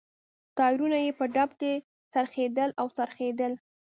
ټایرونه یې په ډب کې څرخېدل او څرخېدل.